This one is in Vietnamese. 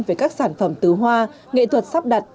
về các sản phẩm tứ hoa nghệ thuật sắp đặt